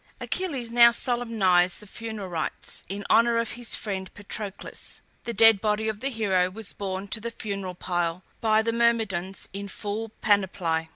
Achilles now solemnized the funereal rites in honour of his friend Patroclus. The dead body of the hero was borne to the funeral pile by the Myrmidons in full panoply.